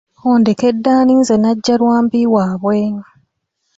Ondekedde ani nze Nnajjalwambi waabwe?